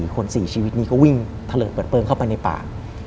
คน๔ชีวิตนี้ก็วิ่งทะเลิดเปิดเปลืองเข้าไปในป่า